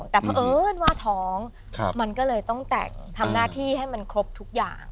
แต่เพราะเอิญว่าท้องมันก็เลยต้องแต่งทำหน้าที่ให้มันครบทุกอย่าง